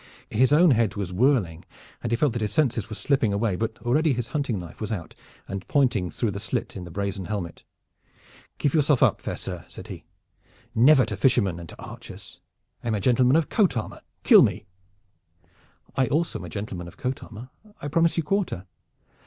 His own head was whirling and he felt that his senses were slipping away, but already his hunting knife was out and pointing through the slit in the brazen helmet. "Give yourself up, fair sir!" said he. "Never to fishermen and to archers! I am a gentleman of coat armor. Kill me!" "I also am a gentleman of coat armor. I promise you quarter."